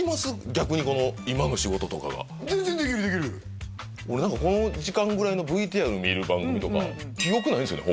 逆にこの今の仕事とかが全然できるできる俺この時間ぐらいのＶＴＲ見る番組記憶ないんすよね